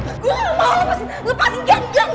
gue gak mau lepasin